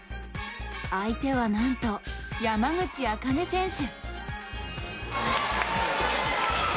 相手はなんと、山口茜選手。